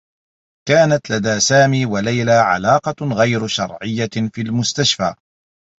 كانت لدى سامي و ليلى علاقة غير شرعيّة في المستشفى.